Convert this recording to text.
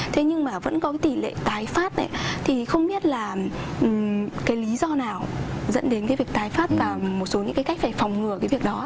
thế nhưng mà vẫn có tỷ lệ tái pháp này thì không biết là cái lý do nào dẫn đến cái việc tái pháp và một số những cái cách phải phòng ngừa cái việc đó